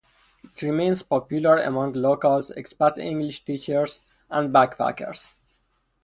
It remains popular among locals, expat English teachers and backpackers.